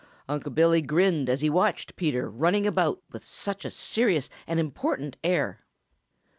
Unc' Billy grinned as he watched Peter running about with such a serious and important air.